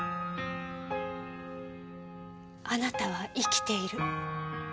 あなたは生きている。